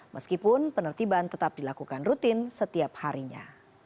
meskipun penertiban tetap dilakukan rutin setiap harinya